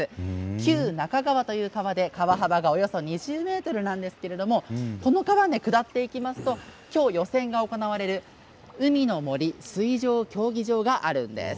旧中川という川で川幅がおよそ２０ｍなんですけれどもこの川を下っていきますときょう予選が行われる海の森水上競技場があるんです。